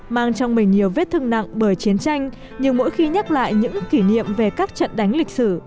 mang trong mình nhiều vết thương nặng bởi chiến tranh nhưng mỗi khi nhắc lại những kỷ niệm về các trận đánh lịch sử